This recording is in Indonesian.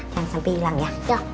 jangan sampai hilang ya